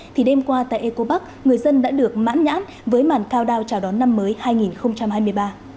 thì đêm qua tại eco park người dân đã được mãn nhãn với màn cao đao chào đón năm mới hai nghìn hai mươi ba